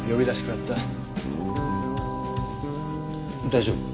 大丈夫？